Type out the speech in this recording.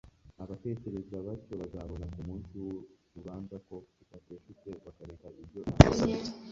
abatekereza batyo bazabona ku munsi w'urubanza ko bateshutse bakareka ibyo imana yabasabye